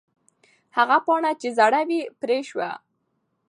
هغه پاڼه چې زړه وه، پرې شوه.